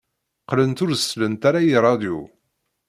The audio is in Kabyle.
Qqlent ur sellent ara i ṛṛadyu.